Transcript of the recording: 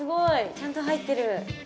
ちゃんと入ってる。